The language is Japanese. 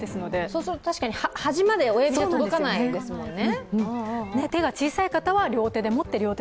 そうすると確かに端まで親指が届かないですもんね。